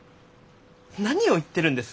何を言ってるんです？